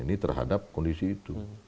ini terhadap kondisi itu